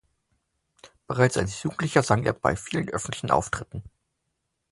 Bereits als Jugendlicher sang er bei vielen öffentlichen Auftritten.